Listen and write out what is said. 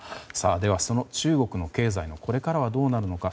では、その中国経済のこれからはどうなるのか。